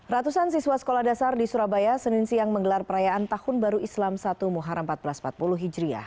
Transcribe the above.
ratusan siswa sekolah dasar di surabaya senin siang menggelar perayaan tahun baru islam satu muharam seribu empat ratus empat puluh hijriah